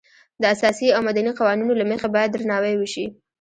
د اساسي او مدني قوانینو له مخې باید درناوی وشي.